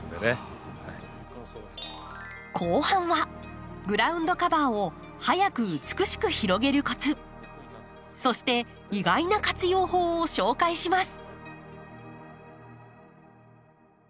後半はグラウンドカバーを早く美しく広げるコツそして意外な活用法を紹介します。